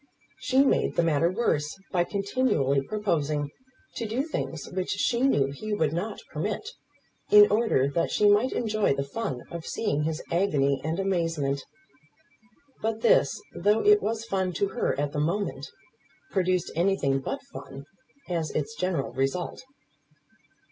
She made the matter worse by continually proposing to do things which she knew he would not permit, in order that she might enjoy the fun of seeing his agony and amazement. But this, though it was fun to her at the moment, produced anything but fun, as its general result.